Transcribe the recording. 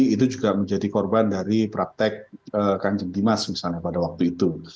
itu juga menjadi korban dari praktek kanjeng dimas misalnya pada waktu itu